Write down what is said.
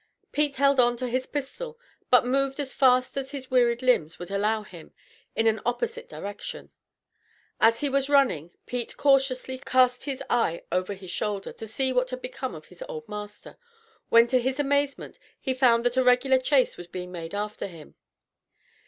Pete held on to his pistol, but moved as fast as his wearied limbs would allow him, in an opposite direction. As he was running, Pete cautiously, cast his eye over his shoulder, to see what had become of his old master, when to his amazement, he found that a regular chase was being made after him.